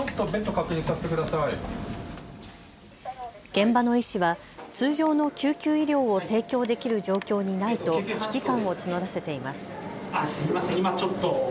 現場の医師は通常の救急医療を提供できる状況にないと危機感を募らせています。